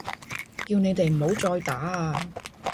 叫你哋唔好再打啊！